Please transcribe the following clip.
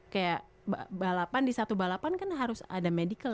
kayak balapan di satu balapan kan harus ada medical